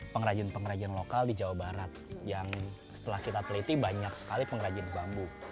pengrajin pengrajin lokal di jawa barat yang setelah kita teliti banyak sekali pengrajin bambu